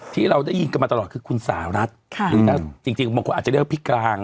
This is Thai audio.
ที่เราได้ยินกันมาตลอดคือคุณสหรัฐหรือถ้าจริงบางคนอาจจะเรียกว่าพี่กลาง